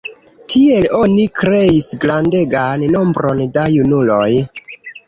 Tiel oni kreis grandegan nombron da junuloj.